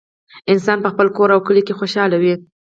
انسان په خپل کور او کلي کې خوشحاله وي